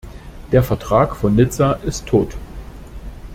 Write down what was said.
Der Vertrag von Nizza ist tot.